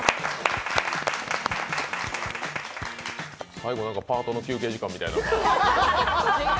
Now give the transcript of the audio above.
最後パートの休憩時間みたいなのが。